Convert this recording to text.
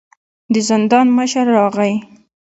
د زندان مشر راغی.